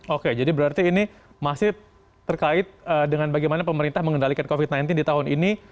oke jadi berarti ini masih terkait dengan bagaimana pemerintah mengendalikan covid sembilan belas di tahun ini